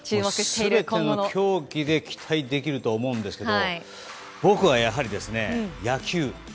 全ての競技で期待できるとは思うんですけども僕は、やはり野球。